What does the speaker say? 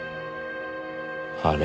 あれ？